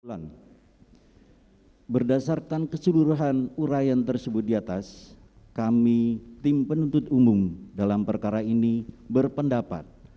berdasarkan keseluruhan urayan tersebut di atas kami tim penuntut umum dalam perkara ini berpendapat